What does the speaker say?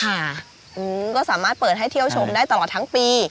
ค่ะก็สามารถเปิดให้เที่ยวชมได้ตลอดทั้งปี